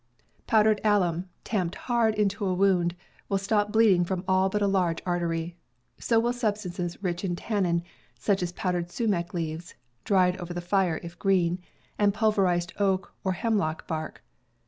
Powdered alum, tamped hard into a wound will stop ACCIDENTS 303 bleeding from all but a large artery. So will sub stances rich in tannin, such as powdered sumac leaves (dried over the fire, if green) and pulverized oak or hemlock bark.